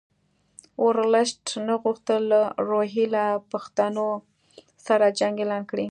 ورلسټ نه غوښتل له روهیله پښتنو سره جنګ اعلان کړي.